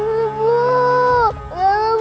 ibu tolong aku